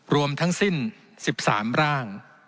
รวมทั้งสิ้น๑๓ร่าง